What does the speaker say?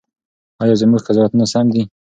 ایا زموږ قضاوتونه سم دي؟